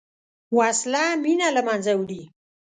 وسله مینه له منځه وړي